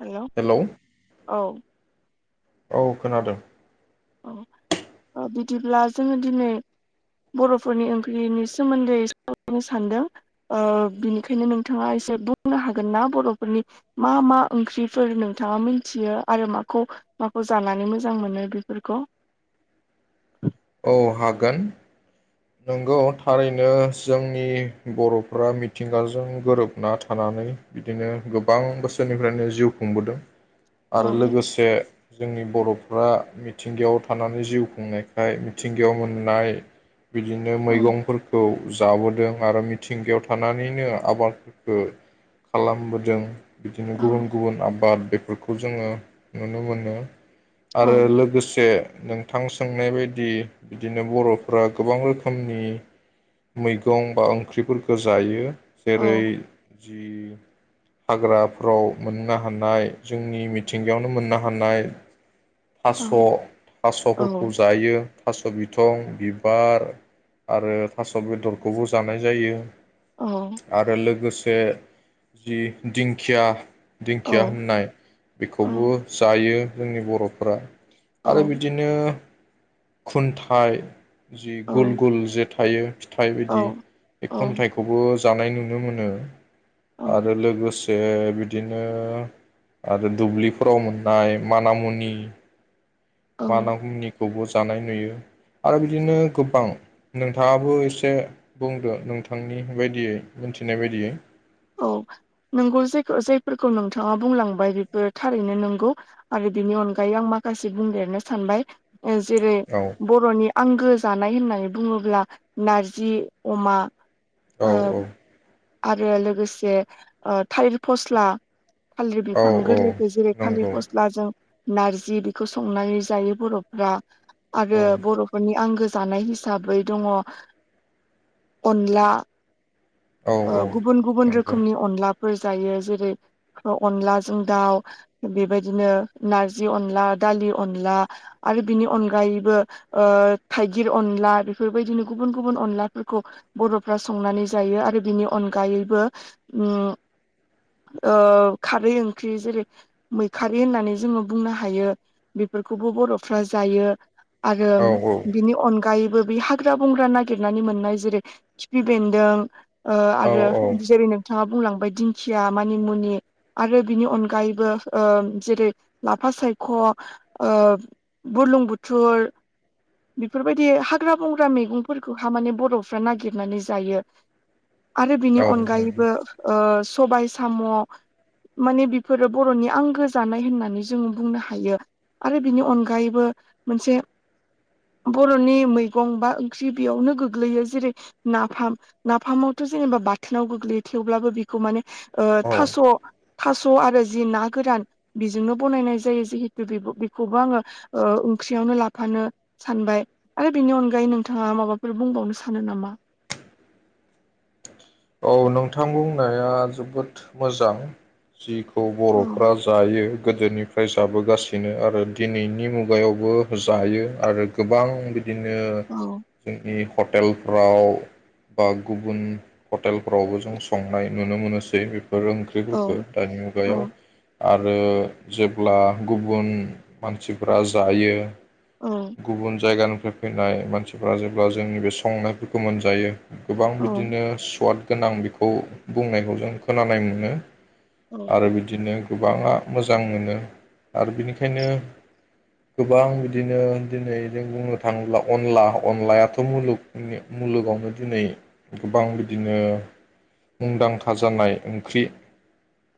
Hello औ औ खोनादों। औ बिदिब्ला जोङो दिनै बर'फोरनि ओंख्रिनि सोमोन्दै सावरायनो सानदों ओ बिनिखायनो नोंथाङा एसे बुंनो हागोन ना बर'फोरनि मा मा ओंख्रिफोर नोंथाङा मिथियो आरो माखौ माखौ जानानै मोजां मोनो। बे बेफोरखौ औ हागोन नंगौ थारैनो जोंनि बर'फोरा मिथिंगाजों गोरोबना थानानै बिदिनो गोबां बोसोरनिफ्रायनो जिउ खुंबोदों। औ आरो लोगोसे जोंनि बर'फ्रा मिथिंगायाव थानानै जिउ खुंनायखाय मिथिंगायाव मोननाय बिदिनो औ मैगंफोरखौ जाबोदों आरो मिथिंगायाव थानानैनो आबादफोरखौ खालामबोदों बिदिनो औ गुबुन गुबुन आबाद बेफोरखौ जोङो नुनो मोनो औ आरो लोगोसे नोंथां सोंनाय बायदि बिदिनो बर'फ्रा गोबां रोखोमनि मैगं बा ओंख्रिफोरखौ जायो। जेरै औ जि हाग्राफ्राव मोननो हानाय जोंनि मिथिंगायावनो मोननो हानाय औ थास' औ थास'फोरखौ जायो थास' बि थं बार आरो थास' बेदरखौबो जानाय जायो। औ आरो लोगो बे जि दिंखिया औ दिंखिया होननाय बेखौबो जायो। जोंनि बर'फोरा। आरो बिदिनो खुन्थाइ। जि गुल औ गुल जेथ थायो। थाइ बादि बे औ खुन्थाइखौबो जानाय नुनो मोनो। औ आरो लोगो बिदिनो आरो दुब्लिफोराव मोननाय मानामुनि औ मानामुनि खौबो। जानाय नुयो आरो बिदिनो गोबां नोंथाङाबो एसे बुंदो नोंथांनि बायदियै मिथिनाय बायदियै। औ नोंगौ जेखौ जाय जायफोरखौ नोंथाङा बुंलांबाय बेफोर थारैनो नंगौ आरो बेनि अनगायै आं माखासे बुंदेरनो सानबाय। ओ जेरै औ बर'नि आंगो जानाय होननानै बुङोब्ला नारजि अमा। औ ओ औ। आरो लोगोसे ओ थालिर फस्ला थालिर औ बिफां औ गोरलैखौ जेरै थालिर नंगौ फस्लाजों नारजि बेखौ संनानै जायो बर'फ्रा। आरो औ बर'फोरनि आंगो जानाय हिसाबै दङ अनला औ औ गुबुन गुबुन नंगौ रोखोमनि अनला फोर जायो जेरै अनलाजों दाउ बेबायदिनो नारजि अनला दालि अनला आरो बिनि अनगायैबो थाइगिर अनला बेफोरबायदिनो गुबुन गुबुन अनलाफोरखौ बर'फ्रा संनानै जायो आरो बिनि अनगायैबो खारै ओंख्रि जेरै मैखारि होननानै जोङो बुंनो हायो बेफोरखौबो बर'फ्रा जायो। आरो औ बिनि अनगायैबो हाग्रा-बंग्रा नागिरनानै मोननाय जेरै खिफि बेन्दों ओ आरो औ जेरै नोंथां नोंथाङा बुंलांबाय दिंखिया मानिमुनि आरो बिनि अनगायैबो जेरै ओ लाफा सायख' बुरलुं बुथुर बेफोरबायदि हाग्रा बंग्रा मैगंफोरखौहा माने बर'फ्रा नागिरनानै जायो। आरो बिनि औ अनगायैबो ओ सबाइ साम' माने बेफोरो बर'नि आंगो जानाय होननानै जों बुंनो हायो आरो बिनि अनगायैबो मोनसे बर'नि मैगं बा ओंख्रि बेयावनो गोग्लैयो जेरै नाफाम। नाफामावथ' जेनेबा बाथोनाव गोग्लैयो थेवब्लाबो बेखौ माने। ओ औ थास' थास' आरो जि ना गोरान बेजोंनो बनायनाय जायो जिहेतु बे बेखौबो आङो ओंख्रियावनो लाफानो सानबाय आरो बेनि अनगायै नोंथाङा माबाफोर बुंबावनो सानो नामा? औ नोंथां बुंनाया जोबोद मोजां। जिखौ औ बर'फ्रा जायो। गोदोनिफ्राय जाबोगासिनो आरो दिनैनि मुगायावबो जायो आरो गोबां बिदि बिदिनो औ जोंनि। हटेलफ्राव बा गुबुन। हटेलफोरावबो जों संनाय नुनो मोनो। [unintelligible] बेफोर औ ओंख्रिफोरखौ दानि मुगायाव औ आरो जेब्ला गुबुन मानसिफ्रा जायो। औ गुबुन जायगा फैनाय मानसिफ्रा जेब्ला जोंनि बे संनायफोरखौ मोनजायो। गोबां औ बिदिनो स्वाद गोनां बेखौ बुंनायखौ जों खोनानाय मोनो। आरो बिदिनो। गोबाङा मोजां मोनो आरो बिनिखायनो गोबां बिदिनो दिनै जों बुंनो थाङोब्ला अनला अनलायाथ' मुलुगनि मुलुगावनो दिनै गोबां बि बिदिनो मुंदांखा जानाय ओंख्रि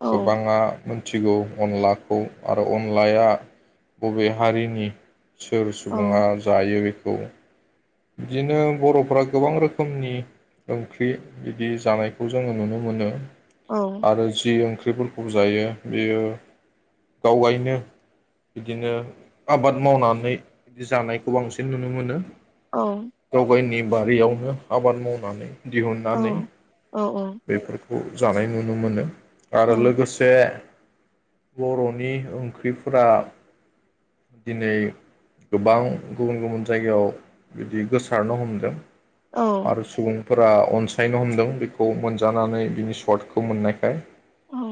औ गोबाङा मोनथिगौ अनलाखौ आरो अनलाया बबे हारिनि? सोर औ सुबुङा जायो? गौ बिदिनो बर'फोरा गोबां रोखोमनि ओंख्रि बिदि जानायखौ जोङो नुनो मोनो। औ आरो जि ओं ओंख्रिफोरखौ जायो बियो गावगायनो बिदिनो आबाद मावनानै बिदि जानायखौ बांसिन नुनो मोनो। औ गावगायनि बारियावनो आबाद मावनानै औ दिहुननानै औ बेफोरखौ खौ जानाय नुनो मोनो। औ आरो लोगोसे बर'नि ओंख्रिफोरा दिनै गोबां गुबुन गुबुन जायगायाव बिदि गोसारनो हमदों औ आरो सुबुं फोरा अनसायनो हमदों बेखौ मोनजानानै बिनि सर्टखौ मोननायखाय औ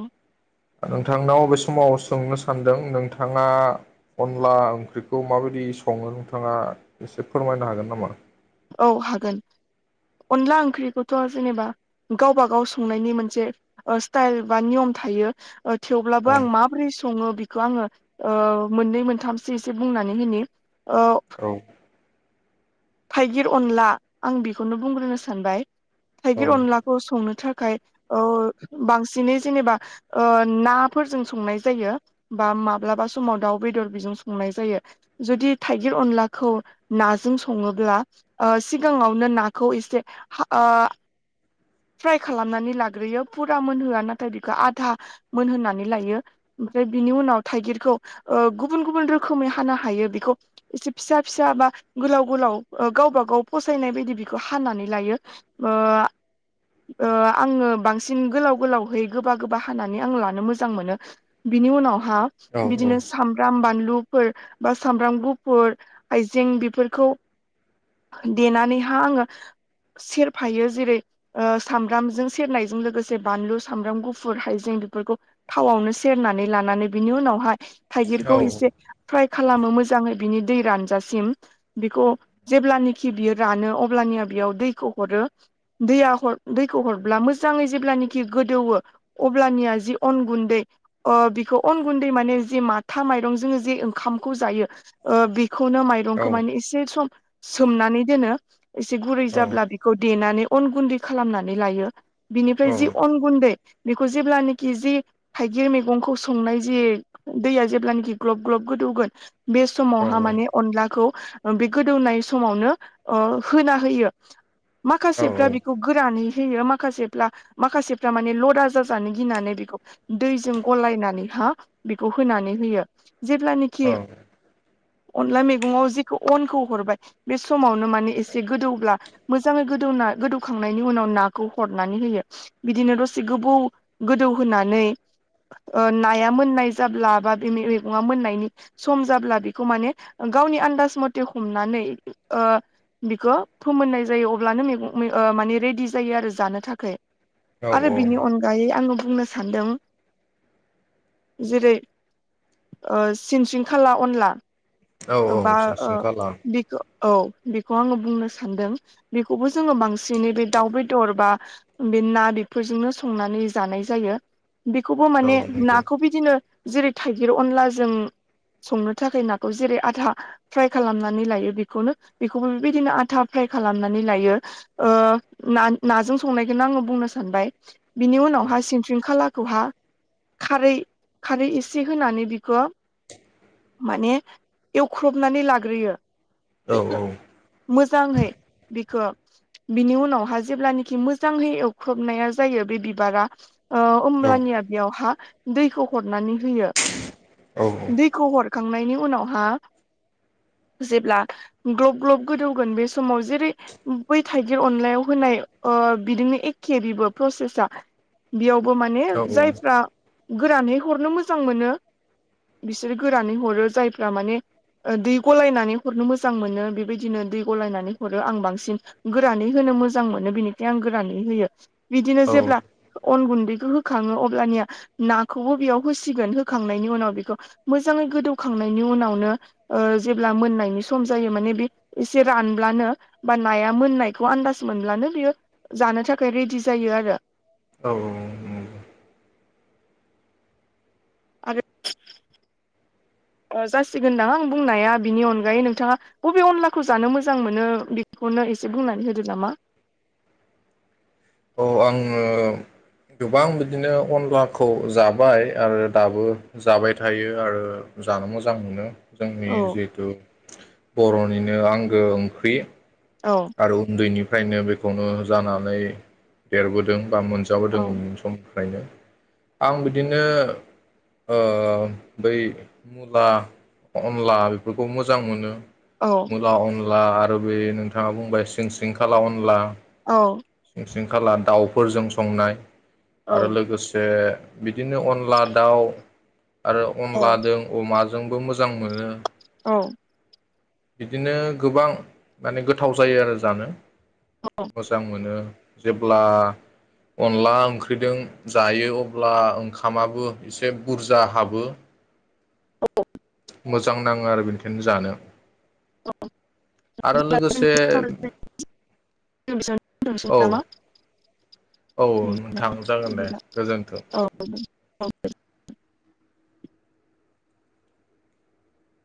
नोंथांनाव बे समाव सोंनो सानदों नोंथाङा अनला ओंख्रिखौ माबायदि सङो नोंथाङा एसे फोरमायनो हागोन नामा औ हागोन अनला ओंख्रिखौथ जेनेबा गावब गाव संनायनि मोनसे ओ स्टाइल बा नियम थायो थेवब्लाबो औ आं माबोरै सङो खौ आङो ओ मोननै मोनथामसो एसे बुंनानै होनि औ थाइगिर अनला आं बेखौनो बुंग्रोनो सानबाय औ थाइगिर अनलाखौ संनो थाखाय ओ बांसिनै जेनेबा ओ नाफोरजों संनाय जायो बा माब्लाबा समाव दाउ बेदर बेजों संनाय जायो जुदि थाइगिर अनलाखौ नाजों सङोब्ला ओ सिगाङावनो नाखौ एसे ओ फ्राय खालामनानै लाग्रोयो फुरा मोनहोआ नाथाय बेखौ आधा मोनहोनानै लायो ओमफ्राय बिनि उनाव थाइगिरखौ ओ गुबुन गुबुन रोखोमै हानो हायो बेखौ एसे फिसा फिसा बा गोलाव गोलाव गावबा गाव फसायनाय बायदि बेखौ हानानै लायो ओ ओ आङो बांसिन गोलाव गोलावहै गोबा गोबा हानानै आं लानो मोजां मोनो बिनि उनाव हा औ बिदिनो सामब्राम बानलु फोर सामब्राम गुफुर हाइजें बेफोरखौ देनानैहा आङो सेरफायो जेरै ओ सामब्रामजों सेरनायजों लोगोसे बानलु सामब्राम गुफुर हाइजें बेफोरखौ थावआवनो सेरनानै लानानै बिनि उनावहाय थाइगिरखौ एसे फ्राय खालामो मोजाङै बिनि दै रानजासिम बेखौ जेब्लानाखि बियो रानो अब्लानिया बेयाव दैखौ हरो दैया ह दैखौ हरब्ला मोजाङै जेब्लानखि गोदौवो अब्लानिया जि अन गुन्दै बेखौ अन गुन्दै माने जे माथा माइरं जों जे ओंखामखौ जायो खौनो औ माइरंखौ माने एसे सम सोमनानै दोनो एसे गुरै जाब्ला औ बेखौ देनानै अन गुन्दै खालामनानै लायो औ बिनिफ्राय जि अन गुन्दै बेखौ जेब्लानोखि जि थाइगिर मैगंखौ संनाय जि दैया जेब्लानाखि ग्लब ग्लब गोदौगोन बे समावहा औ माने अनलाखौ बे गोदौनाय समावनो ओ होना होयो माखासे औ फ्रा बेखौ गोरानै होयो माखासेफ्ला माखासेफ्रा माने लदा जाजानो गिनानै बेखौ दैजों गलायनानै हा बेखौ होनानै होयो जेब्लानिखि अनला मैगंआव जिखौ अनखौ हरबाय बे समावनो माने एसे गोदौब्ला मोजाङै गोदौना गोदौखांनायनि उनाव नाखौ हरनानै होयो बिदिनो दसे गोबौ गोदौहोनानै ओ नाया मोननाय जाब्ला बा बे मैगङा मोननायनि सम जाब्ला बेखौ माने गावनि आन्दाज मथे हमनानै ओ बिखौ फोमोननाय जायो अब्लानो मैगं ओ माने रेडि जायो आरो जानो थाखाय औ आरो बिनि अनगायै आङो बुंनो सान सानदों जेरै सिनस्रिंखाला अनला औ औ बा सोंसिन खाला बिख औ बेखौ आङो बुंनो सानदों बेखौबो जोङो बांसिनै बे दाउ बेदर बा बे ना बेफोरजोंनो संनानै जानाय जायो। बेखौबो औ माने नंगौ नाखौ बिदिनो जेरै थाइगिर अनलाजों संनो थाखाय नाखौ जेरै आथा फ्राय खालामनानै लायो बेखौनो बेखौबो बेबायदिनो आथा फ्राय खालामनानै लायो। ओ नान नाजों संनायखौनो आङो बुंनो सानबाय। बिनि औ उनावहा सिनस्रिंखालाखो बेखौहा खारै खारै एसे होनानै बिखौ माने एवख्रबनानै लाग्रोयो। औ मोजाङै बेखौ बिनि उनावहा जेब्लानाखि मोजाङै एवख्रबनाया जायो बे बिबारा ओ औ अमलानिया बेयावहा दैखौ हर हनानै होयो दैखौ हर खांनायनि उनावहा जेब्ला ग्लब ग्लब गोदौगोन बे समाव जेरै बै थाइगिर अनलायाव होनाय ओ बिदिनो एखे बिबो प्रसेसा बेयाव माने औ जायफ्रा गोरानै हरनो मोजां मोनो बिसोरो गोरानै हरो जायफ्रा माने दै गलायनानै हरनो मोजां मोनो बेबायदिनो दै गलायनानै हरो आं बांसिन गोरानै होनो मोजां मोनो बिनिखाय आं गोरानै होयो बिदिनो औ जेब्ला अन गुन्दै खौ होखाङो अब्लानिया नाखौबो बेयाव होसिगोन होखांनायनि उनाव बेखौ मोजाङै गोदौखांनायनि उनावनो जेब्ला मोननायनि सम जायो माने बे एसे रानब्लानो बा नाया मोननायखौ आनदास मोनब्लानो बियो जानो थाखाय रेदि जायो आरो। औ औ औ आरो जासिगोनदां आं बुंनाया बिनि अनगायै नोंथाङा बबे अनलाखौ जानो मोजां मोनो बेखौनो एसे बुंनानै होदो नामा? अ आङो गोबां बिदिनो अनलाखौ जाबाय आरो दाबो जाबाय थायो आरो जानो मोजां मोनो। जोंनि औ जिहेथु बर' निनो आंगो ओंख्रि औ आरो उनदैनि फ्रायनो बेखौनो जानानै देरबोदों बा औ मोनजाबोदोंमोन सम फायनो आं बिदिनो ओ बै मुला अनला बेफोरखौ मोजां मोनो। औ मुला अनला आरो बे ओ बुंबाय सिं सिं खाला अनला औ आसिंखाला दाउफोरजों संनाय आरो औ लोगोसे बिदिनो अनला दाउ आरो औ अनला दों अमा जोंबो मोजां मोनो औ बिदिनो गोबां माने गोथ गोथाव जायो आरो जानो मोजां मोनो जेब्ला अनला ओंख्रिदों जायो अब्ला ओंखामाबो एसे बुरजा हाबो औ मोजां नाङो आरो बेनिखायनो जानो आरो लोगोसे नामा औ औ नोंथां बिदि जागोन दे गोजोन्थों औ